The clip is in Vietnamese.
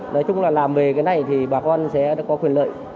nói chung là làm về cái này thì bà con sẽ có quyền lợi